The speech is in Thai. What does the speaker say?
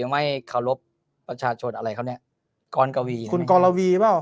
ไม่เคารพประชาชนอะไรเขาเนี่ยกรกวีคุณกรวีเปล่า